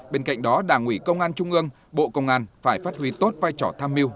bên cạnh đó đảng ủy công an trung ương bộ công an phải phát huy tốt vai trò tham mưu